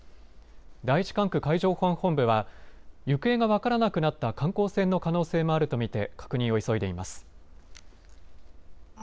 第１管区海上保安本部は行方が分からなくなった観光船の可能性もあると見て確認を急いでいます。